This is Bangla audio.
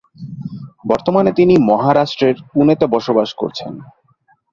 বর্তমানে তিনি মহারাষ্ট্রের পুনেতে বসবাস করছেন।